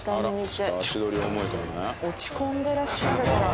落ち込んでらっしゃるからＯＫ！？